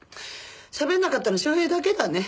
しゃべんなかったの昌平だけだね。